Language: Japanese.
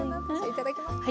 いただきます。